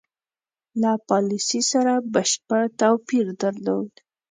له پالیسی سره بشپړ توپیر درلود.